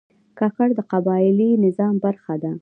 کاکړ د قبایلي نظام برخه ده.